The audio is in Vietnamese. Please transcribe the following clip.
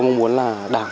tôi cũng muốn là đảng